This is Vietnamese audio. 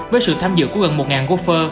với sự tham dự của gần một góp phơ